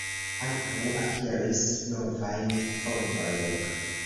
Ankaŭ akiris novajn fontojn.